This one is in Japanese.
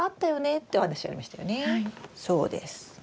そうです。